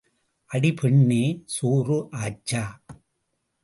அடி பெண்ணே சோறு ஆச்சா?